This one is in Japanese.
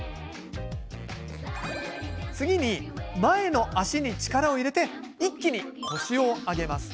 次に前の足に力を入れて一気に腰を上げます。